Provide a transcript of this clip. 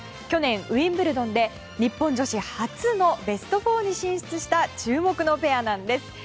去年ウィンブルドンで日本女子初のベスト４に進出した注目のペアなんです。